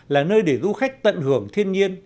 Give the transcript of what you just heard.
là nơi để du khách tận hưởng thiên nhiên